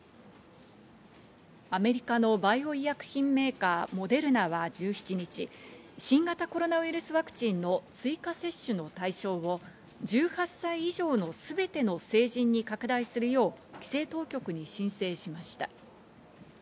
アメリカのバイオ医薬品メーカー、モデルナは１７日、新型コロナウイルスワクチンの追加接種の対象を１８歳以上のすべての成人に拡大するよう規制当局に申請しました。